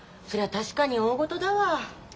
確かに大ごとだわ。